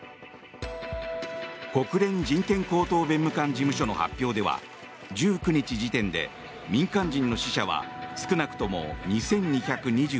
国連人権高等弁務官事務所の発表では１９日時点で民間人の死者は少なくとも２２２４人。